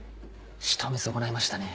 仕留め損ないましたね。